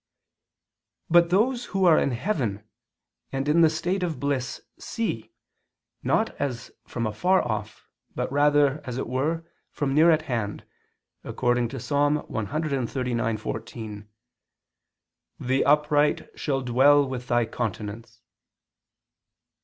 But those who are in heaven and in the state of bliss see, not as from afar off, but rather, as it were, from near at hand, according to Ps. 139:14, "The upright shall dwell with Thy countenance."